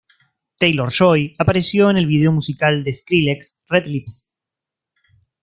Taylor-Joy apareció en el video musical de Skrillex "Red Lips".